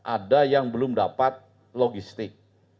ada yang belum dapat logistik